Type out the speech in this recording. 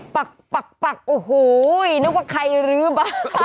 ปักปักโอ้โหนึกว่าใครรื้อบ้าง